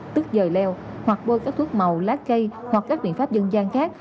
tức dời leo hoặc bôi các thuốc màu lá cây hoặc các biện pháp dân gian khác